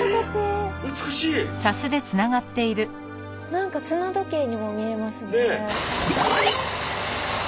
何か砂時計にも見えますね。